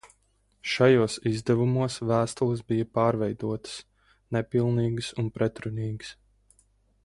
Šajos izdevumos vēstules bija pārveidotas, nepilnīgas un pretrunīgas.